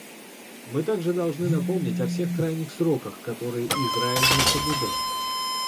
Мы также должны напомнить о всех крайних сроках, которые Израиль не соблюдал.